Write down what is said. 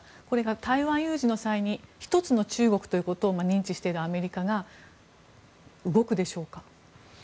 これが台湾有事の際に一つの中国ということを認知しているアメリカが動くでしょうか。